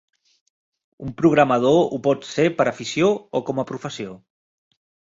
Un programador ho pot ser per afició o com a professió.